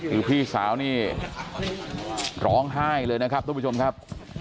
คือพี่สาวนี่ร้องไห้เลยนะครับทุกผู้ชมครับ